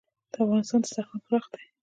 د افغانستان دسترخان پراخ دی